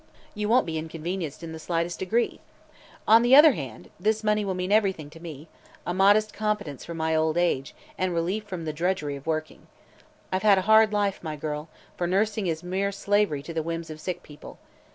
You won't be inconvenienced in the slightest degree. On the other hand, this money will mean everything to me a modest competence for my old age and relief from the drudgery of working. I've had a hard life, my girl, for nursing is mere slavery to the whims of sick people.